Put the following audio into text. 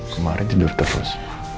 kemarin tidur terus